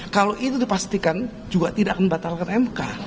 kalau itu dipastikan juga tidak akan membatalkan mk